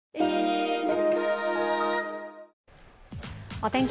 お天気